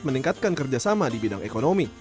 meningkatkan kerjasama di bidang ekonomi